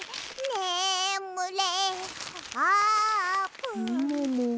「ねむれ」